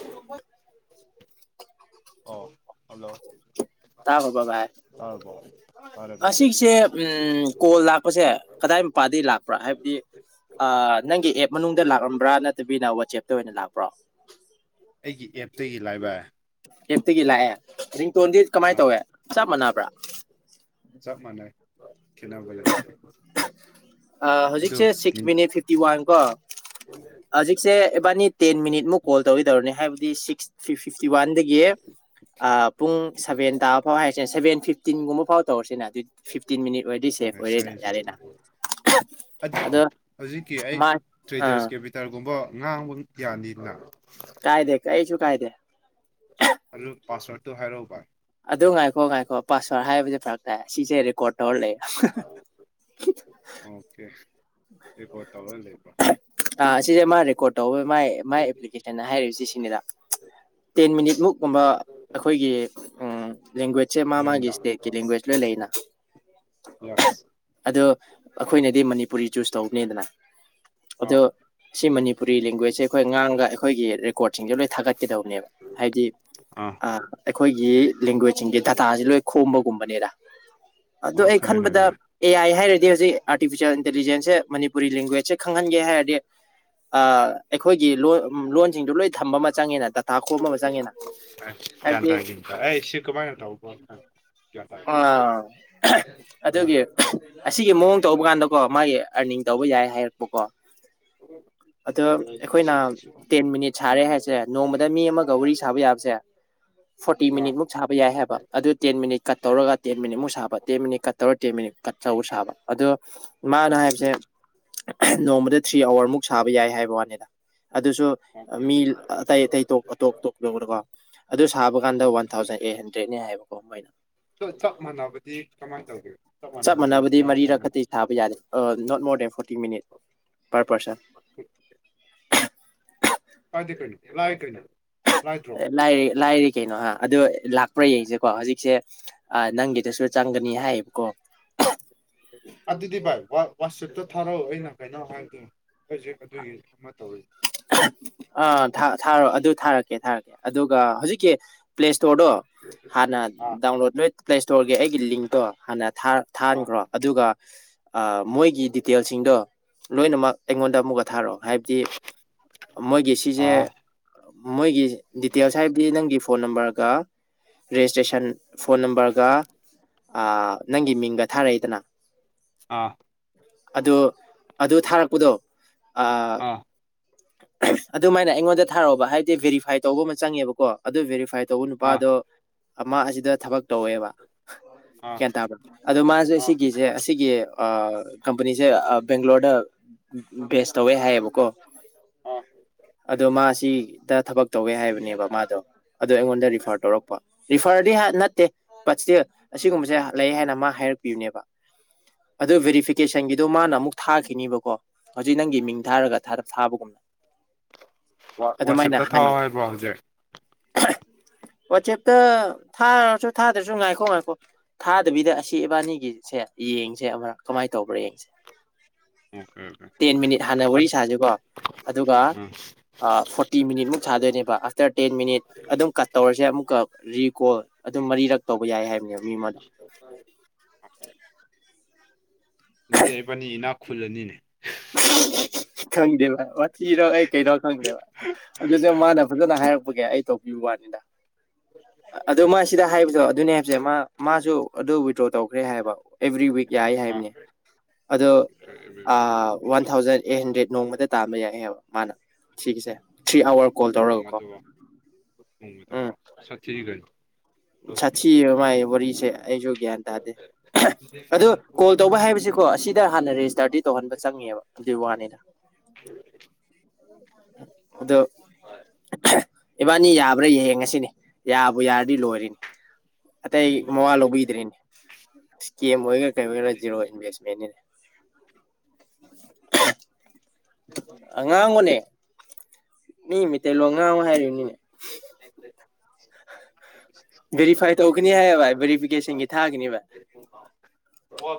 [unintelligible] ꯑꯣ ꯍꯜꯂꯣ ꯇꯥꯕꯕꯥ ꯚꯥꯏ ꯇꯥꯔꯕꯣ ꯇꯥꯔꯦ ꯚꯥꯏ ꯑꯁꯤꯒꯤꯁꯦ ꯎꯝ ꯀꯣꯜ ꯂꯥꯛꯄꯁꯦ ꯀꯗꯥꯏ ꯃꯄꯥꯗꯒꯤ ꯂꯥꯛꯄ꯭ꯔꯥ ꯍꯥꯏꯕꯗꯤ ꯑꯥ ꯅꯪꯒꯤ ꯑꯦꯞ ꯃꯅꯨꯡꯗ ꯂꯥꯛꯂꯝꯕ꯭ꯔꯥ ꯅꯠꯇꯕꯤꯅ ꯋꯥꯆꯦꯞꯇ ꯑꯣꯏꯅ ꯂꯥꯛꯄ꯭ꯔꯣ ꯑꯩꯒꯤ ꯑꯦꯞꯇꯒꯤ ꯂꯥꯛꯑꯦꯚꯥꯏ ꯑꯦꯞꯇꯒꯤ ꯂꯥꯛꯑꯦ ꯔꯤꯡꯇꯣꯟꯗꯤ ꯀꯃꯥꯏꯅ ꯑꯥ ꯇꯧꯋꯦ ꯆꯞ ꯃꯥꯟꯅꯕ꯭ꯔꯥ ꯆꯞ ꯃꯥꯟꯅꯩ ꯈꯦꯠꯅꯕ ꯌꯥꯎꯗꯦ ꯑꯥ ꯍꯧꯖꯤꯛꯁꯦ ꯁꯤꯛꯁ ꯃꯤꯅꯤꯠ ꯐꯤꯐꯇꯤ ꯋꯥꯟ ꯀꯣ ꯑꯧꯖꯤꯛꯁꯦ ꯏꯕꯥꯅꯤ ꯇꯦꯟ ꯃꯤꯅꯤꯠꯃꯨꯛ ꯀꯣꯜ ꯇꯧꯒꯦꯗꯧꯔꯤꯅꯤ ꯍꯥꯏꯕꯗꯤ ꯁꯤꯛꯁ ꯐꯤ ꯐꯤꯐꯇꯤ ꯋꯥꯟꯗꯒꯤ ꯑꯥ ꯄꯨꯡ ꯁꯚꯦꯟ ꯇꯥ__ ꯐꯥꯎ ꯍꯥꯏꯔꯤꯁꯦ ꯁꯕꯦꯟ ꯐꯤꯞꯇꯤꯟꯒꯨꯝꯕ ꯐꯥꯎ ꯇꯧꯔꯁꯤꯅꯦ ꯑꯗꯨꯗꯤ ꯐꯤꯐꯇꯤꯟ ꯃꯤꯅꯤꯠ ꯑꯣꯏꯔꯗꯤ ꯑꯣꯀꯦ ꯁꯦꯐ ꯑꯣꯏꯔꯦ ꯁꯚꯦꯟ ꯐꯤꯐꯇꯤ ꯑꯗꯨ ꯍꯧꯖꯤꯛꯀꯤ ꯑꯩ ꯃꯥ ꯑꯥ ꯇ꯭ꯔꯦꯗꯔꯁ ꯀꯦ__ ꯇꯔꯒꯨꯝꯕ ꯉꯥꯡꯕ ꯌꯥꯅꯤꯗꯅ ꯀꯥꯏꯗꯦ ꯀꯩꯔꯤꯁꯨ ꯀꯥꯏꯗꯦ ꯑꯗꯨ ꯄꯥꯁꯋꯥꯔꯗꯇꯨ ꯍꯥꯏꯔꯛꯎꯕ ꯑꯗꯨ ꯉꯥꯏꯈꯣ ꯉꯥꯏꯈꯣ ꯄꯥꯁꯋꯥꯔꯗ ꯍꯥꯏꯕꯁꯦ ꯐꯔꯛ ꯇꯥꯏ ꯑꯁꯤꯁꯦ ꯔꯦꯀꯣꯔꯠ ꯇꯧꯔ ꯂꯩ [unintelligible] ꯑꯣꯀꯦ ꯔꯤꯀꯣꯔꯗ ꯇꯧꯔ ꯂꯩꯕ꯭ꯔꯣ ꯑꯥ ꯑꯁꯤꯁꯦ ꯃꯥ ꯔꯦꯀꯣꯔꯠ ꯇꯧꯕꯩ ꯃꯥꯏ ꯃꯥꯏ ꯑꯦꯄ꯭ꯂꯤꯀꯦꯁꯟꯗ ꯍꯥꯏꯔꯤꯕꯁꯤ ꯁꯤꯅꯤꯗ ꯇꯦꯟ ꯃꯤꯅꯤꯠ ꯃꯨꯛ ꯀꯨꯝꯕ ꯑꯩꯈꯣꯏꯒꯤ ꯎꯝ ꯂꯦꯡꯒ꯭ꯋꯦꯖ ꯆꯦ ꯃꯥ ꯃꯥꯒꯤ ꯂꯣꯟꯗ ꯏꯁꯇꯦꯠ ꯀꯤ ꯂꯦꯡꯒ꯭ꯋꯦꯖ ꯂꯣꯏ ꯂꯩꯌꯦꯅ ꯌꯦꯁ ꯑꯗꯣ ꯑꯩꯈꯣꯏꯅꯗꯤ ꯃꯅꯤꯄꯨꯔꯤ ꯆꯨꯁ ꯇꯧꯕꯅꯦꯗꯅ ꯑꯗꯨ ꯑꯥ ꯁꯤ ꯃꯅꯤꯄꯨꯔꯤ ꯂꯦꯡꯒ꯭ꯋꯦꯁꯁꯦ ꯑꯩꯈꯣꯏ ꯉꯥꯡꯒ ꯑꯩꯈꯣꯏꯒꯤ ꯔꯦꯀꯣꯔꯠꯁꯤꯡꯁꯦ ꯂꯣꯏ ꯊꯥꯒꯠꯀꯗꯧꯕꯅꯦꯕ ꯍꯥꯏꯕꯗꯤ ꯑꯥ ꯑꯩꯈꯣꯏꯒꯤ ꯂꯦꯡꯒ꯭ꯋꯦꯖꯁꯤꯡꯒꯤ ꯗꯗꯥꯇꯥꯁꯦ ꯂꯣꯏ ꯈꯣꯝꯕꯒꯨꯝꯕꯅꯤꯔ ꯑꯗꯣ ꯑꯣ ꯑꯩ ꯈꯪꯉꯦ ꯈꯟꯕꯗ ꯈꯪꯉꯦ ꯑꯦ ꯑꯥꯏ ꯍꯥꯏꯔꯗꯤ ꯍꯧꯖꯤꯛ ꯑꯥꯔꯇꯤꯐꯤꯁꯦꯜ ꯏꯟꯇꯦꯂꯤꯖꯦꯟꯁꯁꯦ ꯃꯅꯤꯄꯨꯔꯤ ꯂꯦꯡꯒ꯭ꯋꯦꯖꯁꯦ ꯈꯪꯍꯟꯒꯦ ꯍꯥꯏꯔꯗꯤ ꯑ ꯑꯩꯈꯣꯏꯒꯤ ꯂꯣꯟ ꯂꯣꯟꯁꯤꯡꯗꯨ ꯂꯣꯏ ꯊꯝꯕ ꯑꯃ ꯆꯪꯉꯦꯅ [unintelligible] ꯍꯥꯏꯕꯗꯤ [unintelligible] ꯑꯥ ꯍꯣꯏ ꯑꯗꯨꯒꯤ ꯑꯁꯤꯒꯤ ꯃꯑꯣꯡ ꯇꯧꯕ ꯀꯥꯟꯗꯀꯣ ꯃꯥꯒꯤ ꯑꯔꯅꯤꯡ ꯇꯧꯕ ꯌꯥꯏ ꯍꯥꯏꯔꯛꯄꯀꯣ ꯑꯗꯣ ꯑꯩꯈꯣꯏꯅ ꯁꯤ ꯁꯤ ꯇꯦꯟ ꯃꯤꯅꯤꯠ ꯁꯥꯔꯦ ꯍꯥꯏꯁꯦ ꯅꯣꯡꯃꯗ ꯃꯤ ꯑꯃꯒ ꯋꯥꯔꯤ ꯁꯥꯕ ꯌꯥꯕꯁꯦ ꯐꯣꯔꯇꯤ ꯑꯥ ꯃꯤꯅꯤꯠ ꯃꯨꯛ ꯁꯥꯕ ꯌꯥꯏ ꯍꯥꯏꯕ ꯑꯗꯨ ꯇꯦꯟ ꯃꯤꯅꯤꯠ ꯀꯠ ꯇꯧꯔꯒ ꯇꯦꯟ ꯇꯦꯟ ꯃꯤꯅꯤꯠꯃꯨꯛ ꯁꯥꯕ ꯇꯦꯟ ꯃꯤꯅꯤꯠ ꯀꯠ ꯇꯧꯔ ꯇꯦꯟ ꯃꯤꯅꯤꯠ ꯀꯠ ꯇꯧꯔ ꯁꯥꯕ ꯑꯗꯣ ꯃꯥꯅ ꯍꯥꯏꯕꯁꯦ ꯅꯣꯡꯃꯗ ꯊ꯭ꯔꯤ ꯑꯋꯥꯔꯃꯨꯛ ꯁꯥꯕ ꯌꯥꯏ ꯍꯥꯏꯕ ꯋꯥꯅꯤꯗ ꯑꯗꯨꯁꯨ ꯑꯣꯀꯦ ꯃꯤ ꯑꯇꯩ ꯑꯇꯩ ꯇꯣꯛ ꯑꯇꯣꯛ ꯑꯥ ꯇꯣꯛ [unintelligible] ꯑꯗꯨ ꯁꯥꯕ ꯀꯥꯟꯗ ꯋꯥꯟ ꯊꯥꯎꯖꯟ ꯑꯩꯠ ꯍꯟꯗ꯭ꯔꯦꯗꯅꯦ ꯍꯥꯏꯕꯀꯣ ꯃꯥꯏꯗꯣ ꯑꯗꯨ ꯆꯞ ꯃꯥꯟꯅꯕꯗꯤ ꯀꯃꯥꯏꯅ ꯇꯧꯒꯦ ꯆꯞ ꯃꯥꯟꯅꯕꯗꯤ ꯌꯥꯗ꯭ꯔꯣꯅꯣ ꯊꯥꯕ ꯌꯥꯗꯦ not more than forty minute per person [unintelligible] ꯂꯥꯏꯗ꯭ꯔꯣ [unintelligible] ꯂꯥꯏꯔꯤꯛ ꯂꯥꯏꯔꯤꯛ ꯀꯩꯅꯣ ꯍ ꯑꯗꯣ ꯂꯥꯛꯄ꯭ꯔꯥ ꯌꯦꯡꯁꯦꯀꯣ ꯍꯧꯖꯤꯛꯁꯦ ꯅꯪꯒꯤꯗꯁꯨ ꯆꯪꯒꯅꯤ ꯍꯥꯏꯌꯦꯕꯀꯣ ꯑꯗꯨꯗꯤ ꯚꯥꯏ ꯋꯥꯆꯦꯞꯇ ꯊꯥꯔꯛꯑꯣ ꯑꯩꯅ ꯀꯩꯅꯣ ꯍꯥꯏꯒꯦ ꯍꯧꯖꯤꯛ ꯑꯗꯨꯒꯤ ꯑꯃ ꯇꯧꯔꯤ ꯑꯥ ꯊꯥꯔꯣ ꯑꯗꯨ ꯊꯥꯔꯛꯀꯦ ꯊꯥꯔꯛꯀꯦ ꯑꯗꯨꯒ ꯍꯧꯖꯤꯛꯀꯤ ꯄ꯭ꯂꯦ ꯏꯁꯇꯣꯔꯗꯣ ꯍꯥꯟꯅ ꯑꯥ ꯗꯥꯎꯟꯂꯣꯗ ꯂꯣꯏ ꯄ꯭ꯂꯦ ꯏꯁꯇꯣꯔꯒꯤ ꯑꯩꯒꯤ ꯂꯤꯡꯇꯣ ꯍꯥꯟꯅ ꯑꯥ ꯊꯥꯍꯟꯈ꯭ꯔꯣ ꯑꯗꯨꯒ ꯃꯣꯏꯒꯤ ꯗꯤꯇꯦꯜꯁꯤꯡꯗꯣ ꯂꯣꯏꯅꯃꯛ ꯑꯩꯉꯣꯟꯗ ꯑꯃꯨꯛꯀ ꯊꯥꯔꯛꯑꯣ ꯍꯥꯏꯕꯗꯤ ꯃꯣꯏꯒꯤ ꯁꯤꯁꯦ ꯑꯥ ꯃꯣꯏꯒꯤ ꯗꯤꯇꯦꯜꯁ ꯍꯥꯏꯕꯗꯤ ꯅꯪꯒꯤ ꯐꯣꯟ ꯅꯝꯕꯔꯒ ꯔꯦꯖꯤꯁꯇ꯭ꯔꯦꯁꯟ ꯐꯣꯟ ꯅꯝꯕꯔꯒ ꯑ ꯅꯪꯒꯤ ꯃꯤꯡꯒ ꯊꯥꯔꯛꯏꯗꯅ ꯑꯥ ꯑꯗꯣ ꯑꯗꯨ ꯊꯥꯔꯛꯄꯗꯣ ꯑꯥ ꯑꯗꯨꯃꯥꯏꯅ ꯑꯩꯉꯣꯟꯗ ꯊꯥꯔꯛꯑꯣꯕ ꯍꯥꯏꯗꯤ ꯕꯦꯔꯤꯐꯥꯏ ꯇꯧꯕ ꯑꯃ ꯆꯪꯉꯦꯕꯀꯣ ꯑꯗꯨ ꯚꯦꯔꯤꯐꯥꯏ ꯇꯧꯕ ꯑꯥ ꯅꯨꯄꯥꯗꯣ ꯃꯥ ꯑꯁꯤꯗ ꯊꯕꯛ ꯇꯧꯋꯦꯕ ꯑꯥ ꯒ꯭ꯌꯥꯟ ꯇꯥꯕ꯭ꯔꯥ ꯑꯗꯣ ꯃꯥꯁꯦ ꯑꯥ ꯁꯤꯒꯤꯁꯦ ꯑꯁꯤꯒꯤ ꯀꯝꯄꯅꯤꯁꯦ ꯑ ꯕꯦꯡꯒ꯭ꯂꯣꯔꯗ ꯕꯦꯁ ꯇꯧꯋꯦ ꯍꯥꯏꯌꯦꯕꯀꯣ ꯑꯥ ꯑꯗꯣ ꯃꯥ ꯁꯤꯗ ꯊꯕꯛ ꯇꯧꯒꯦ ꯍꯥꯏꯕꯅꯦꯕ ꯃꯥꯗꯣ ꯑꯗꯨꯗꯣ ꯑꯩꯉꯣꯟꯗ ꯔꯤꯐꯔ ꯇꯧꯔꯛꯄ ꯔꯤꯐꯔꯗꯤ ꯅꯠꯇꯦ ꯕꯠ ꯏꯁꯇꯤꯜ ꯑꯁꯤꯒꯨꯝꯕꯁꯦ ꯂꯩ ꯍꯥꯏꯅ ꯃꯥ ꯍꯥꯏꯔꯛꯄꯤꯌꯨꯅꯦꯕ ꯑꯗꯨꯣ ꯚꯦꯔꯤꯐꯤꯀꯦꯁꯟꯒꯤꯗꯣ ꯃꯥꯅ ꯑꯃꯨꯛ ꯊꯥꯈꯤꯅꯤꯕꯀꯣ ꯍꯧꯖꯤꯛ ꯅꯪꯒꯤ ꯃꯤꯡ ꯊꯥꯔꯒ ꯊꯥꯗ ꯊꯥꯕꯒꯨꯝꯅ ꯑꯗꯨꯃꯥꯏꯅ ꯋꯥꯆꯦꯞꯇ ꯊꯥꯎ ꯍꯥꯏ ꯍꯥꯏꯕ꯭ꯔꯣ ꯍꯧꯖꯤꯛ ꯋꯥꯆꯦꯞꯇ ꯊꯥꯔꯁꯨ ꯊꯥꯗ꯭ꯔꯁꯨ ꯉꯥꯏꯈꯣ ꯉꯥꯏꯈꯣ ꯊꯥꯗꯕꯤꯗ ꯑꯁꯤ ꯏꯕꯥꯅꯤꯒꯤꯁꯦ ꯌꯦꯡꯁꯦ ꯑꯃ ꯀꯃꯥꯏꯅ ꯇꯧꯕ꯭ꯔꯥ ꯌꯦꯡꯁꯦ ꯑꯣꯀꯦ ꯑꯣꯀꯦ ꯇꯦꯟ ꯃꯤꯅꯤꯠ ꯍꯥꯟꯅ ꯋꯥꯔꯤ ꯁꯥꯁꯤꯀꯣ ꯑꯗꯨꯒ ꯐꯣꯔꯇꯤ ꯃꯤꯅꯤꯠ ꯃꯨꯛ ꯁꯥꯗꯣꯏꯅꯦꯕ ꯑꯥꯐꯇꯔ ꯇꯦꯟ ꯃꯤꯅꯤꯠ ꯑꯗꯨꯝ ꯀꯠ ꯇꯧꯔꯁꯦ ꯑꯃꯨꯛꯀ ꯔꯤꯀꯣꯜ ꯑꯗꯨꯝ ꯃꯔꯤꯔꯛ ꯇꯧꯕ ꯌꯥꯏ ꯍꯥꯏꯕꯅꯦꯕ ꯃꯤ ꯑꯃꯗ ꯑꯗꯨꯗꯤ ꯏꯕꯥꯅꯤ ꯏꯅꯥꯛ ꯈꯨꯜꯂꯅꯤꯅꯦ ꯈꯪꯗꯦꯕ ꯑꯣ [unintelligible] ꯊꯤꯔꯣ ꯑꯩ ꯀꯩꯅꯣ ꯈꯪꯗꯦꯕ ꯑꯗꯨꯁꯨ ꯃꯥꯅ ꯐꯖꯅ ꯍꯥꯏꯔꯛꯄꯒꯦ ꯑꯩ ꯇꯧꯕꯤꯌꯨ ꯋꯥꯅꯤꯅ ꯑꯗꯨ ꯃꯥ ꯁꯤꯗ ꯍꯥꯏꯕꯗꯣ ꯑꯗꯨꯅꯦ ꯍꯥꯏꯕꯁꯦ ꯃꯥ ꯃꯥꯁꯨ ꯑꯗꯨ ꯋꯤꯗ꯭ꯔꯣ ꯇꯧ ꯈ꯭ꯔꯦ ꯍꯥꯏꯕ ꯑꯦꯕ꯭ꯔꯤ ꯋꯤꯛ ꯌꯥꯏ ꯍꯥꯏꯕꯅꯦ ꯑꯗꯣ ꯋꯥꯟ ꯊꯥꯎꯖꯟ ꯑꯩꯠ ꯍꯟꯗ꯭ꯔꯦꯗ ꯅꯣꯡꯃꯗ ꯇꯥꯝꯕ ꯌꯥꯏꯕ ꯃꯥꯅ ꯁꯤꯒꯤꯁꯦ ꯊ꯭ꯔꯤ ꯑꯋꯥꯔ ꯀꯣꯜ ꯇꯧꯔꯒꯀꯣ ꯎꯣꯡꯗꯕꯣ ꯁꯆꯔꯤꯒꯟ ꯁꯥꯊꯤ ꯃꯥꯏ ꯋꯥꯔꯤꯁꯦ ꯑꯩꯁꯨ ꯒ꯭ꯌꯥꯟ ꯇꯥꯗꯦ ꯑꯗ ꯀꯣꯜ ꯇꯧꯕ ꯋꯥꯕꯗꯤ ꯍꯥꯏꯕꯁꯤꯀꯣ ꯑꯁꯤꯗ ꯍꯥꯟꯅ ꯔꯦꯖꯤꯁꯇꯔꯗꯤ ꯇꯧꯍꯟꯕ ꯆꯪꯉꯦꯕ ꯑꯗꯨ ꯋꯥꯅꯤꯅ [unintelligible] ꯑꯗꯣ ꯏꯕꯥꯅꯤ ꯌꯥꯕ꯭ꯔꯥ ꯌꯦꯡꯉꯁꯤꯅꯦ ꯌꯥꯕꯨ ꯌꯥꯔꯗꯤ ꯂꯣꯏꯔꯤꯅꯤ ꯑꯇꯩ ꯃꯋꯥ ꯂꯧꯕꯤꯗ꯭ꯔꯔꯤꯅꯦ ꯏꯁꯀꯦꯝ ꯑꯣꯏꯒꯦꯔꯥ ꯀꯩ ꯑꯣꯏꯒꯦꯔꯥ ꯖꯤꯦꯔꯣ ꯏꯟꯚꯦꯁꯃꯦꯟꯅꯤꯅ [unintelligible] ꯑꯉꯥꯡꯕꯅꯦ ꯃꯤ ꯃꯤꯇꯩꯇꯩꯂꯣꯡ ꯉꯥꯡꯨ ꯍꯥꯏꯔꯤꯕꯅꯤꯅꯦ [unintelligible] [unintelligible] ꯚꯦꯔꯤꯐꯥꯏ ꯇꯧꯒꯅꯤ ꯍꯥꯏꯌꯦ ꯚꯥꯏ ꯚꯦꯔꯤꯐꯤꯀꯦꯁꯟꯒꯤ ꯊꯥꯒꯅꯤ ꯚꯥꯏ ꯑꯣ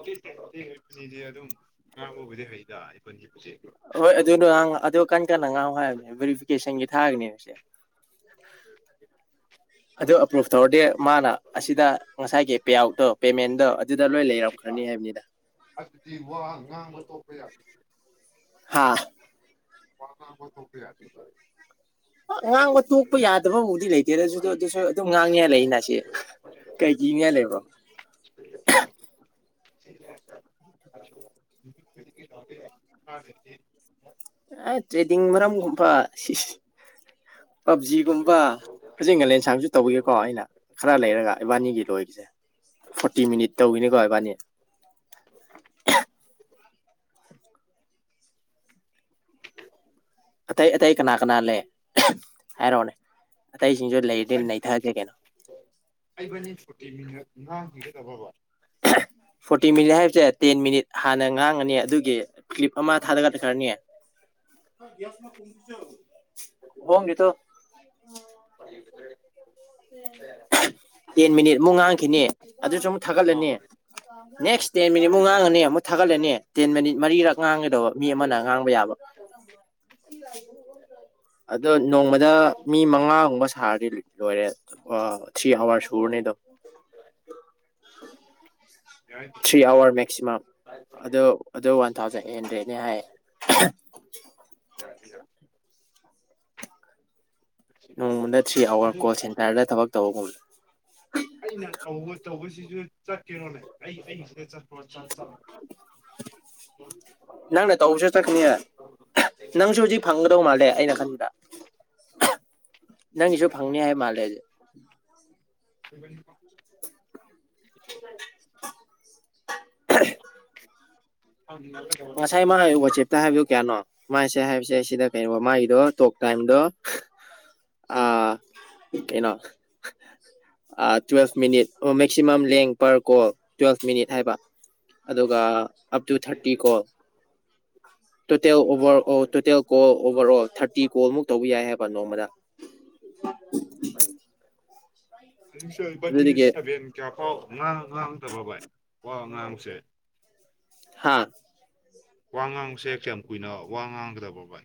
ꯑꯦ ꯑꯅꯤꯗꯤ ꯑꯗꯨꯝ ꯉꯔꯕꯨꯕꯨꯗꯤ ꯍꯩꯗ ꯑꯩꯨꯒꯤ ꯄꯨꯛ ꯍꯣꯏ ꯑꯗꯨꯗꯣ ꯑꯗꯨꯣ ꯀꯟꯅ ꯀꯟꯅ ꯉꯥꯡ ꯍꯥꯏꯕꯅꯦ ꯚꯦꯔꯤꯐꯤꯀꯦꯁꯟꯒꯤ ꯊꯥꯔꯒꯅꯦꯕꯁꯦ ꯑꯗꯨ ꯑꯦꯄ꯭ꯔꯨꯚ ꯇꯧꯔꯗꯤ ꯃꯥꯅ ꯑꯁꯤꯗ ꯉꯁꯥꯏꯒꯤ ꯄꯦꯑꯥꯎꯠꯇꯣ ꯄꯦꯃꯦꯟꯗꯣ ꯑꯗꯨꯗ ꯂꯣꯏ ꯂꯩꯔꯝꯈ꯭ꯔꯅꯤ ꯍꯥꯏꯕꯅꯤꯗ ꯑꯗꯨꯗꯤ ꯋꯥ ꯉꯥꯡꯕ ꯇꯣꯛꯄ ꯌꯥꯗꯦ ꯍꯥꯥ ꯄꯕꯨ ꯊꯣꯄꯤ ꯌꯥꯗꯦ ꯉꯥꯡꯕ ꯇꯣꯛꯄ ꯌꯥꯗꯕꯕꯨꯗꯤ ꯂꯩꯇꯦ ꯑꯗꯨꯗ ꯑꯗꯨꯁꯨ ꯑꯗꯨꯝ ꯉꯥꯡꯅꯤꯍ ꯂꯩꯅ ꯁꯤ ꯀꯩ ꯀꯤꯅꯤ ꯂꯩꯕ꯭ꯔꯣ [unintelligible] [unintelligible] ꯑꯦ ꯇ꯭ꯔꯦꯗꯤꯡ ꯃꯔꯝꯒꯨꯝꯕ ꯁꯤ ꯄꯞꯖꯤꯒꯨꯝꯕ ꯐꯖꯤꯛ ꯉꯂꯦꯟꯁꯥꯡꯁꯨ ꯇꯧꯒꯤꯅꯤꯀꯣ ꯑꯩꯅ ꯈꯔ ꯂꯩꯔꯒ ꯏꯕꯥꯅꯤꯒꯤ ꯂꯣꯏꯒꯤꯁꯦ ꯐꯣꯔꯇꯤ ꯃꯤꯅꯤꯠ ꯇꯧꯈꯤꯅꯤꯀꯣ ꯏꯕꯥꯅꯤ ꯑꯇꯩ ꯑꯇꯩ ꯀꯅꯥ ꯀꯅꯥ ꯂꯩ ꯍꯥꯏꯔꯛꯑꯣꯅꯦ ꯑꯇꯩꯁꯤꯡꯁꯨ ꯂꯩꯔꯤꯗꯤ ꯅꯩꯊꯛꯑꯁꯦ ꯀꯩꯅꯣ ꯑꯩꯕꯅꯤ ꯐꯣꯔꯇꯤ ꯃꯤꯅꯠ ꯉꯥꯡꯈꯤꯒꯗꯕꯕ ꯐꯣꯔꯇꯤ ꯃꯤꯅꯤꯠ ꯍꯥꯏꯕꯁꯦ ꯇꯦꯟ ꯃꯤꯅꯤꯠ ꯍꯥꯟꯅ ꯉꯥꯡꯉꯅꯤ ꯑꯗꯨꯒꯤ ꯀ꯭ꯂꯤꯞ ꯑꯃ ꯊꯥꯗꯒ ꯈꯔꯅꯤ ꯍꯣꯡ ꯅꯇꯣ ꯄꯦ ꯇꯦꯟ ꯃꯤꯅꯤꯠ ꯑꯃꯨꯛ ꯉꯥꯡꯈꯤꯅꯤ ꯑꯗꯨꯁꯨ ꯑꯃꯨꯛ ꯊꯥꯒꯠꯂꯅꯤ ꯅꯦꯛꯁ ꯗꯦꯟ ꯃꯤꯅꯤꯠꯃꯨꯛ ꯉꯥꯡꯉꯅꯤ ꯑꯃꯨꯛ ꯊꯥꯒꯠꯂꯅꯤ ꯇꯦꯟ ꯃꯤꯅꯤꯠ ꯃꯔꯤꯔꯛ ꯉꯥꯡꯒꯗꯧꯕ ꯃꯤ ꯑꯃꯅ ꯉꯥꯡꯕ ꯌꯥꯕ ꯑꯗꯣ ꯅꯣꯡꯃꯗ ꯃꯤ ꯃꯉꯥꯒꯨꯝꯕ ꯁꯥꯔꯗꯤ ꯂꯣꯏꯔꯦ ꯑ ꯊ꯭ꯔꯤ ꯑꯋꯥꯔꯁ ꯎꯔꯅꯤꯗ ꯊ꯭ꯔꯤ ꯑꯋꯥꯔ ꯃꯦꯛꯁꯤꯃꯝ ꯑꯗꯣ ꯑꯗꯣ ꯋꯥꯟ ꯊꯥꯎꯖꯟ ꯑꯩꯠ ꯍꯟꯗ꯭ꯔꯦꯗꯅꯦ ꯍꯥꯏꯌꯦ ꯌꯥ ꯏ ꯅꯣꯡꯃꯗ ꯊ꯭ꯔꯤ ꯑꯋꯥꯔ ꯑꯗꯨ ꯀꯣꯜ ꯁꯦꯟꯇꯔꯗ ꯊꯕꯛ ꯇꯧꯕꯒꯨꯝꯕꯂ ꯑꯩꯅ ꯇꯧꯕ ꯇꯧꯕꯁꯤꯁꯨ ꯆꯠꯀꯦꯩꯅꯣꯅꯦ ꯑꯩ ꯑꯩꯁꯤꯗ ꯆꯠꯄ꯭ꯔꯣ ꯆꯠꯂ ꯅꯪꯅ ꯇꯧꯕꯁꯨ ꯆꯠꯀꯅꯦ ꯅꯪꯁꯨ ꯍꯧꯖꯤꯛ ꯐꯪꯒꯗꯧ ꯃꯥꯜꯂꯦ ꯑꯩꯅ ꯈꯟꯕꯗ ꯅꯪꯒꯤꯁꯨ ꯐꯪꯅꯤ ꯍꯥꯏꯕ ꯃꯥꯜꯂꯦ [unintelligible] [unintelligible] ꯍꯪꯅꯒꯗꯕ ꯉꯁꯥꯏ ꯅꯠꯇ꯭ꯔꯕ ꯃꯥ ꯋꯥꯆꯦꯞꯇ ꯍꯥꯏꯕꯤꯌꯨ ꯀꯌꯥꯅꯣ ꯃꯥꯁꯦ ꯍꯥꯏꯕꯁꯦ ꯁꯤꯗ ꯀꯩꯅꯣꯃꯒꯤꯗꯣ ꯇꯣꯛ ꯇꯥꯏꯝꯗꯣ ꯑ ꯀꯩꯅꯣ ꯇꯨꯋꯦꯜꯐ ꯃꯤꯅꯤꯠ ꯑꯣ ꯃꯦꯛꯁꯤꯃꯝ ꯂꯦꯡ ꯄꯔ ꯀꯣꯜ ꯇꯨꯋꯦꯜꯐ ꯃꯤꯅꯤꯠ ꯍꯥꯏꯕ ꯑꯗꯨꯒ ꯑꯞ ꯇꯨ ꯊꯥꯔꯇꯤ ꯀꯣ total over total call over all thirty ꯀꯣꯜꯃꯨꯛ ꯇꯧꯕ ꯌꯥꯏ ꯍꯥꯏꯕ ꯅꯣꯡꯃꯗ ꯁꯨꯕꯗꯤ ꯑꯗꯨꯗꯒꯤ ꯁꯚꯦꯟ ꯀꯌꯥ ꯄꯥꯎ ꯉꯥꯡ ꯉꯥꯡꯗꯕ ꯚꯥꯏ ꯋꯥ ꯉꯥꯡꯁꯦ ꯍꯥꯥ ꯋꯥ ꯉꯥꯡꯕꯁꯦ ꯀꯌꯥꯝ ꯀꯨꯏꯅ ꯋꯥ ꯉꯥꯡꯒꯗꯕ꯭ꯔ ꯚ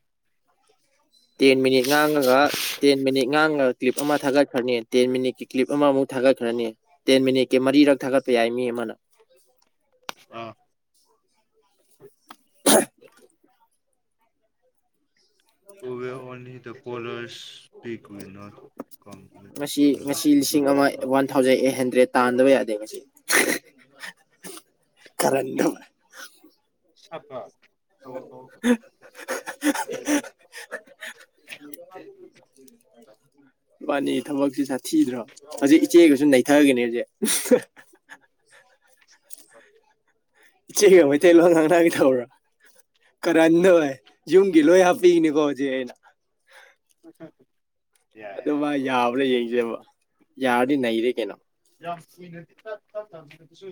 ꯇꯦꯟ ꯃꯤꯅꯤꯠ ꯉꯥꯡꯉꯒ ꯇꯦꯟ ꯃꯤꯅꯤꯠ ꯉꯥꯡꯉꯒ ꯀ꯭ꯂꯤꯞ ꯑꯃ ꯊꯥꯒꯠꯈ꯭ꯔꯅꯤ ꯇꯦꯟ ꯃꯤꯅꯤꯠꯀꯤ ꯀ꯭ꯂꯤꯞ ꯑꯃꯃꯨꯛ ꯊꯥꯒꯠꯈ꯭ꯔꯅꯤ ꯇꯦꯟ ꯃꯤꯅꯤꯠꯀꯤ ꯃꯔꯤꯔꯛ ꯊꯥꯒꯠꯄ ꯌꯥꯏ ꯃꯤ ꯑꯃꯅ [unintelligible] ꯍ [unintelligible] [unintelligible] ꯇꯨꯋꯦ ꯑꯣꯟꯂꯤ ꯗ ꯀꯣꯂꯁ ꯉꯁꯤ ꯉꯁꯤ ꯂꯤꯁꯤꯡ ꯑꯃ [unintelligible] ꯋꯥꯟ ꯊꯥꯎꯖꯟ ꯑꯩꯠ ꯍꯟꯗ꯭ꯔꯦꯗ ꯇꯥꯟꯗꯕ ꯌꯥꯗꯦ ꯃꯁꯤ ꯀ ꯁꯐꯛ [unintelligible] ꯃꯥꯅꯤ ꯊꯕꯛꯁꯤ ꯁꯥ ꯊꯤꯗ꯭ꯔꯣ ꯑꯁꯤ ꯏꯆꯦꯒꯁꯨ ꯅꯩꯊꯒꯅꯤ ꯍꯧꯁꯦ ꯑ [unintelligible] ꯏꯆꯦꯒ ꯃꯩꯇꯩ ꯂꯣ ꯉꯥꯡ ꯅꯒ ꯇꯧ꯭ꯔꯥ ꯀꯔꯗꯧꯦ ꯌꯨꯝꯒꯤ ꯂꯣꯏ ꯍꯥꯞꯄꯤꯏꯅꯤꯀꯣ ꯍꯧꯖꯤꯛ ꯑꯩꯅ ꯑꯆꯥ ꯑꯗꯨ ꯃꯥ ꯌꯥꯕ꯭ꯔꯥ ꯌꯦꯡꯁꯦꯕ ꯌꯥꯔꯗꯤ ꯅꯩꯔꯦ ꯀꯩꯅꯣ ꯌꯥꯝ ꯀꯨꯏꯅꯗꯤ ꯇꯞ ꯇꯞ ꯇꯥꯅꯁꯨ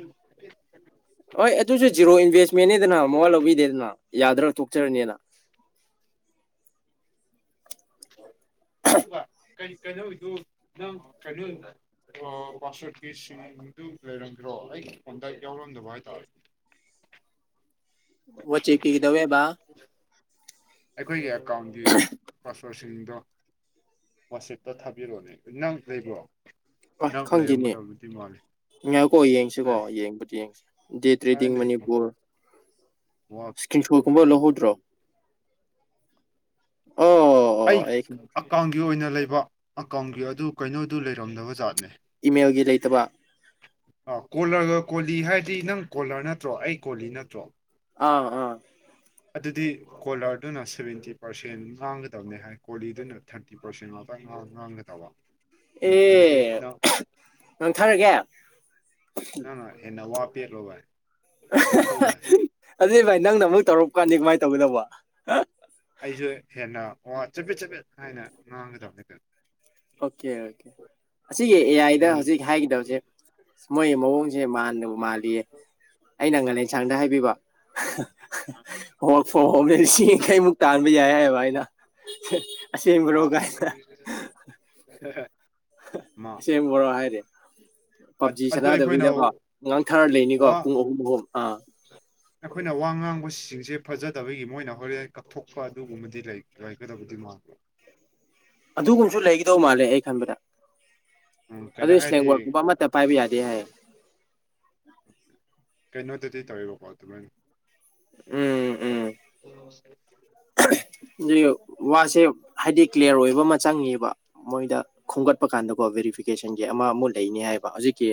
ꯍꯣꯏ ꯑꯗꯨꯁꯨ ꯖꯤꯔꯣ ꯏꯟꯚꯦꯁꯃꯦꯦꯟꯦꯗꯅ ꯃꯋꯥ ꯂꯧꯕꯤꯗꯦꯗꯅ ꯌꯥꯗ꯭ꯔꯒ ꯇꯣꯛꯆꯔꯅꯤꯅ ꯑꯗꯨꯒ ꯀ ꯀꯩꯅꯣꯗꯪ ꯀꯩꯅꯣꯗ ꯄꯥꯁꯋꯥꯔꯗꯀꯤꯁꯤꯡꯗꯨ ꯂꯩꯔꯝꯗ꯭ꯔꯣ ꯑꯩ ꯀꯣꯟꯗ ꯌꯥꯎꯔꯝꯗꯕ ꯍꯥꯏꯇꯥꯔꯦ ꯋꯥ ꯆꯦꯛ ꯄꯤꯒꯗꯋꯦꯕ ꯑꯩꯈꯣꯏꯒꯤ ꯑꯦꯀꯥꯎꯟꯒꯤ ꯄꯥꯁꯋꯥꯔꯗ ꯁꯤꯡꯗꯣ ꯋꯥꯆꯦꯞꯇ ꯊꯥꯕꯤꯔꯛꯑꯣꯅꯦ ꯅꯪ ꯂꯩꯕ꯭ꯔꯣ ꯅꯪ ꯂꯩꯔꯝꯒ ꯇꯧꯗꯨꯗꯤ ꯃꯥꯂꯦ ꯉꯥꯏꯀꯣ ꯌꯦꯡꯁꯤꯀꯣ ꯌꯦꯡꯕꯗꯤ ꯌꯦꯡꯁꯤ ꯗꯦꯠ ꯔꯤꯗꯤꯡ ꯊꯥꯏꯅꯒꯤ ꯃꯅꯤꯄꯨꯔ ꯋꯥ ꯏꯁꯀ꯭ꯔꯤꯟ ꯁꯣꯠ ꯀꯨꯝꯕ ꯂꯧꯍꯧꯗ꯭ꯔꯣ ꯑꯣ ꯑꯩ ꯑꯣ ꯑꯀꯥꯎꯟꯒꯤ ꯑꯣꯏꯅ ꯂꯩꯕ ꯑꯀꯥꯎꯟꯒꯤ ꯑꯗꯨ ꯀꯩꯅꯣꯗꯨ ꯂꯩꯔꯝꯗꯕ ꯖꯥꯠꯅꯦ ꯏꯃꯦꯜꯒꯤ ꯂꯩꯇꯕ ꯑ ꯀꯣꯂꯔꯒ ꯀꯣꯂꯤ ꯍꯥꯏꯔꯗꯤ ꯅꯪ ꯀꯣꯂꯔ ꯅꯠꯇ꯭ꯔꯣ ꯑꯩ ꯀꯣꯂꯤ ꯅꯠꯇ꯭ꯔꯣ ꯑꯥ ꯑꯥ ꯑꯗꯨꯗꯤ ꯀꯣꯂꯔꯗꯨꯅ ꯁꯚꯦꯟꯇꯤ ꯄꯥꯔꯁꯦꯟ ꯃꯥꯡꯒꯗꯕꯅꯤ ꯍꯥꯏ ꯀꯣꯂꯤꯗꯨꯅ ꯊꯥꯔꯇꯤ ꯄꯔꯁꯦꯟ ꯉꯥꯡꯒ ꯇꯧꯕ ꯑꯦ ꯅꯟꯊꯔꯒꯦ ꯅꯪ ꯅ ꯍꯦꯟꯅꯋꯥ ꯄꯦꯠꯂꯣ ꯍꯥꯏ ꯄꯦꯊꯧꯧꯕ ꯍꯥꯏ ꯑꯗꯨꯗꯤ ꯚꯥꯏ ꯅꯪꯅꯨꯛ ꯇꯧꯔꯄ ꯀꯥꯟꯅꯤ ꯀꯃꯥꯏꯅ ꯇꯧꯒꯗꯧꯕ ꯑꯩꯁꯨ ꯍꯦꯟꯅ ꯋꯥ ꯆꯐꯦꯠ ꯆꯐꯦꯠ ꯍꯥꯏꯅ ꯉꯥꯡꯒꯗꯕꯅꯤꯗ ꯑꯣꯀꯦ ꯑꯣꯀꯦ ꯑꯁꯤꯒꯤ ꯑꯦ ꯑꯥꯏꯗ ꯃꯤꯅꯤꯠ ꯍꯧꯖꯤꯛ ꯍꯥꯏꯒꯗꯕꯁꯦ ꯃꯣꯏ ꯃꯑꯣꯡꯁꯦ ꯃꯅꯕ ꯃꯥꯜꯂꯤꯌꯦ ꯑꯩꯅ ꯉꯥꯂꯦꯟꯁꯥꯡꯗ ꯍꯥꯏꯕꯤꯕ ꯍꯣ ꯐꯣ ꯍꯣꯃꯦ ꯁꯤ ꯀꯩꯃꯨꯛ ꯇꯥꯟꯕ ꯌꯥꯏ ꯍꯥꯏꯏꯑꯕ ꯑꯩꯅ ꯑꯁꯦꯡꯕꯔꯣ ꯑ ꯀꯥꯏꯅ ꯏꯆꯦꯝ ꯕꯣꯔꯣ ꯍꯥꯏꯔꯦ ꯄꯞꯖꯤ ꯑꯗꯨ ꯑꯩꯈꯣꯏꯅ ꯁꯥꯟꯅꯗꯕꯤꯗꯀꯣ ꯑꯉꯥꯡꯊꯥꯔ ꯂꯩꯅꯤꯀꯣ ꯄꯨꯡ ꯑꯍꯨꯝ ꯑꯍꯨꯝ ꯑꯥ ꯑ ꯑꯩꯈꯣꯏꯅ ꯋꯥ ꯉꯥꯡꯕꯁꯤꯡꯁꯦ ꯐꯖꯗꯕꯒꯤ ꯃꯣꯏꯅ ꯍꯣꯔꯦꯟ ꯀꯛꯊꯣꯛꯄ ꯑꯗꯨꯒꯨꯝꯕꯗꯤ ꯂꯩꯒꯗꯕꯗꯤ ꯃꯥꯜꯂꯦ ꯑꯗꯨꯒꯨꯝꯕꯁꯨ ꯂꯩꯒꯗꯧ ꯃꯥꯜꯂꯦ ꯑꯩ ꯈꯟꯕꯗ ꯎꯝ ꯑꯗꯨ ꯀꯩꯅꯣ ꯍꯥꯏꯔꯗꯤ ꯏꯁ꯭ꯂꯦꯡꯕꯣꯔꯗꯀꯨꯝꯕ ꯑꯃ ꯄꯥꯏꯕꯤ ꯌꯥꯗꯦ ꯀꯩꯅꯣꯗꯗꯤ ꯇꯧꯋꯦꯕꯀꯣ ꯑꯗꯨꯃꯥꯏꯅ ꯎꯝ ꯑꯗꯨ ꯋꯥꯁꯦ ꯍꯥꯏꯗꯤ ꯀ꯭ꯂꯤꯌꯥꯔ ꯑꯣꯏꯕ ꯑꯃ ꯆꯪꯉꯦꯕ ꯃꯣꯏꯗ ꯈꯣꯝꯒꯠꯄ ꯀꯥꯟꯗꯀꯣ ꯕꯦꯔꯤꯐꯤꯀꯦꯁꯟꯒꯤ ꯑꯃ ꯑꯃꯨꯛ ꯂꯩꯅꯤ ꯍꯥꯏꯕ ꯍꯧꯖꯤꯛꯀꯤ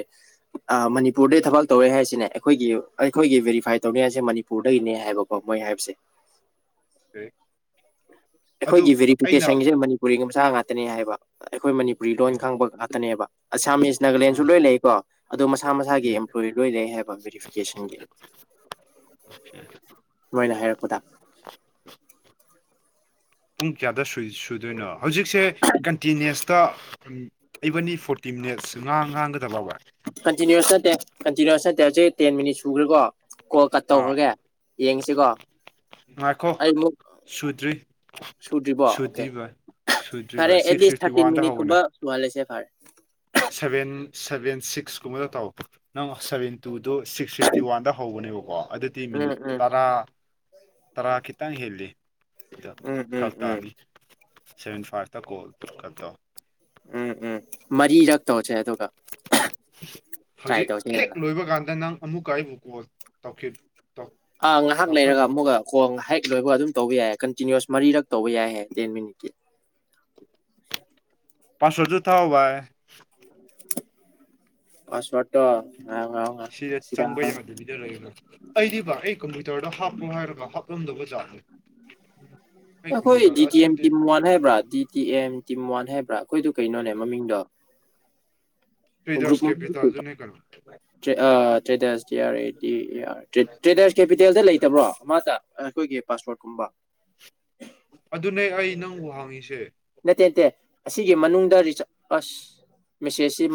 ꯃꯅꯤꯄꯨꯔꯗꯩ ꯊꯕꯛ ꯇꯧꯔꯦ ꯍꯥꯏꯁꯤꯅꯦ ꯑꯩꯈꯣꯏꯒꯤ ꯑꯩꯈꯣꯏꯒꯤ ꯕꯦꯔꯤꯐꯥꯏ ꯇꯧꯅꯤꯡꯉꯁꯦ ꯃꯅꯤꯄꯨꯔꯗꯒꯤꯅꯦ ꯍꯥꯏꯕꯀꯣ ꯑꯣ ꯃꯣꯏ ꯍꯥꯏꯕꯁꯦ ꯑꯦ ꯑꯩꯈꯣꯏꯒꯤ ꯕꯦꯔꯤꯐꯤꯀꯦꯁꯟꯁꯦ ꯃꯅꯤꯄꯨꯔꯤ ꯃꯆꯥ ꯉꯇꯅꯦ ꯍꯥꯏꯕ ꯑꯩꯈꯣꯏ ꯃꯅꯤꯄꯨꯔꯤ ꯎꯝ ꯂꯣꯟ ꯎꯝ ꯈꯪꯕ ꯉꯥꯛꯇꯅꯦꯕ ꯑꯁꯥꯃꯤꯁ ꯅꯥꯒꯥꯂꯦꯟꯁꯨ ꯎꯝ ꯂꯣꯏꯅ ꯂꯩꯀꯣ ꯑꯗꯣ ꯃꯁꯥ ꯃꯁꯥꯒꯤ ꯑꯦꯝꯄ꯭ꯂꯣꯌ ꯂꯣꯏ ꯂꯩ ꯍꯥꯏꯕ ꯕꯦꯔꯤꯐꯤꯀꯦꯁꯟꯒꯤ ꯃꯣꯏꯅ ꯍꯥꯏꯔꯛꯄꯗ ꯄꯨꯡ ꯀꯌꯥꯗ ꯁꯨꯗꯣꯏꯅꯣ ꯍꯧꯖꯤꯛꯁꯦ ꯀꯟꯇꯤꯅꯤꯁꯇ ꯑꯩꯕꯅꯤ ꯐꯣꯔꯇꯤ ꯃꯤꯅꯠꯁ ꯉꯥꯡ ꯉꯥꯡꯒꯗꯕꯥꯎꯕ ꯀꯟꯇꯤꯅꯌꯨꯁ ꯅꯠꯇꯦ ꯀꯇꯤꯅꯅꯤꯌꯨꯁ ꯅꯠꯇꯦ ꯍꯧꯖꯤꯛ ꯇꯦꯟ ꯃꯤꯅꯤꯠ ꯁꯨꯈ꯭ꯔꯦꯀꯣ ꯀꯣꯜ ꯀꯠ ꯑꯥ ꯇꯧꯈ꯭ꯔꯒꯦ ꯌꯦꯡꯁꯤꯀꯣ ꯉꯥꯏꯈꯣ ꯑꯩꯃꯨꯛ ꯁꯨꯗ꯭ꯔꯤ ꯁꯨꯗ꯭ꯔꯤꯕꯣ ꯑꯣꯀꯦ ꯁꯨꯗ꯭ꯔꯤ ꯚꯥꯏ ꯁꯨꯗ꯭ꯔꯤꯔꯤꯕꯚ ꯁꯤꯛꯁ ꯐꯤꯁꯇꯤ ꯋꯥꯟꯗ ꯍꯧꯕꯅꯦ ꯂꯨꯍ ꯂꯩꯁꯦ ꯐꯔ ꯁꯚꯦꯟ ꯁꯚꯦꯟ ꯁꯤꯛꯁ ꯀꯨꯝꯕꯗ ꯇꯥꯎ ꯅꯪ ꯁꯚꯦꯟ ꯇꯨꯗꯣ ꯁꯤꯛꯁ ꯐꯤꯐꯇꯤ ꯋꯥꯟꯗ ꯍꯧꯕꯅꯦꯕꯀꯣ ꯑꯗꯨꯗꯤ ꯎꯝ ꯃꯤꯅꯤꯠ ꯎꯝ ꯇꯔꯥ ꯇꯔꯥ ꯈꯤꯇꯪ ꯍꯦꯜꯂꯤ ꯁꯤꯗ ꯎꯝ ꯊꯥꯎ ꯎꯝ ꯎꯝ ꯇꯥꯅꯤ ꯁꯚꯦꯟ ꯐꯥꯏꯚꯇ ꯀꯣꯜꯀꯠꯇꯧ ꯎꯝ ꯎꯝ ꯃꯔꯤꯔꯛ ꯇꯧꯁꯦ ꯑꯗꯨꯒ ꯇ꯭ꯔꯥꯏ ꯍꯧꯖꯤꯛ ꯍꯦꯛ ꯇꯧꯁꯦꯗꯅ ꯂꯣꯏꯕ ꯀꯥꯟꯗ ꯅꯪ ꯑꯃꯨꯛꯀ ꯑꯩꯕꯨ ꯀꯣꯜ ꯇꯧꯈꯤꯕ ꯑꯥ ꯉꯥꯏꯍꯥꯛ ꯂꯩꯔꯒ ꯑꯃꯨꯛꯒ ꯈꯣꯡ ꯍꯦꯛ ꯂꯣꯏꯕ ꯑꯗꯨꯝ ꯇꯧꯕ ꯌꯥꯏ ꯀꯟꯇꯤꯅꯤꯨꯁ ꯃꯔꯤꯔꯛ ꯇꯧꯕ ꯌꯥꯏ ꯍꯥꯏꯌꯦ ꯇꯦꯟ ꯃꯤꯅꯤꯠꯀꯤ ꯄꯥ ꯁꯣꯁꯨ ꯊꯥꯎ ꯚꯥꯏ ꯄꯥꯁꯄꯠ ꯇ ꯁꯤꯗ ꯆꯪꯕ ꯌꯥꯗꯗꯤ [unintelligible] ꯑꯩꯗꯤ ꯚ ꯑꯩ ꯀꯝꯄ꯭ꯌꯨꯇꯔꯗ ꯍꯥꯞꯄꯣ ꯍꯥꯏꯔꯒ ꯍꯥꯞꯂꯝꯗꯧꯕꯖꯥꯠꯅꯦ ꯎ ꯑꯩꯈꯣꯏ D T M team one ꯍꯥꯏꯕ꯭ꯔꯥ D T M team one ꯍꯥꯏꯕ꯭ꯔꯥ ꯑꯩꯈꯣꯏꯗꯣ ꯀꯩꯅꯣꯅꯦ ꯃꯃꯤꯡꯗꯣ ꯇ꯭ꯔꯦꯗꯔꯁ ꯀ [unintelligible] ꯀꯦꯄꯤꯇꯥꯜꯗꯨꯅꯦ ꯀꯩꯅꯣ ꯇ꯭ꯔꯦꯗꯔꯁꯇꯤ ꯌꯥꯔꯦꯗꯤ ꯇ꯭ꯔꯦꯗꯔꯁ ꯀꯦꯄꯤꯇꯦꯜꯗ ꯂꯩꯇꯕ꯭ꯔꯣ ꯑꯃꯗ ꯑꯩꯈꯣꯏꯒꯤ ꯄꯥꯁꯄꯣꯔꯠꯀꯨꯝꯕ ꯑꯗꯨꯅꯦ ꯑꯩ ꯅꯪꯕꯨ ꯍꯥꯡꯉꯤꯁꯦ ꯅꯠꯇꯦ ꯅꯠꯇꯦ ꯑꯁꯤꯒꯤ ꯃꯅꯨꯡꯗ ꯑꯁ ꯃꯦꯁꯦꯁꯁꯤ